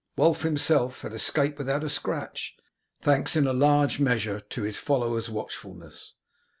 Wulf himself had escaped without a scratch, thanks in a large measure to his follower's watchfulness.